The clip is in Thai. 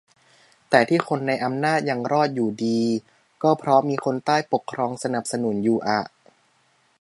แต่ที่คนในอำนาจยังรอดอยู่ดี ก็เพราะมีคนใต้ปกครองสนับสนุนอยู่อะ